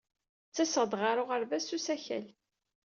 Ttaseɣ-d ɣer uɣerbaz s usakal.